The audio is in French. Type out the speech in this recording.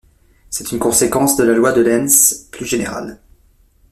C'est une conséquence de la loi de Lenz, plus générale.